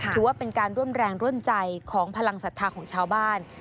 ถือว่าเป็นการร่วมแรงร่วมใจของพลังศรัทธาของชาวบ้าน